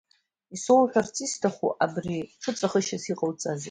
Исоуҳәарц исҭаху, абри ҽыҵәахышьас иҟауҵеи?